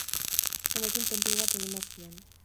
Honekin tenplu bat egin behar zion.